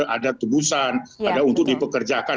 ada tebusan ada untuk dipekerjakan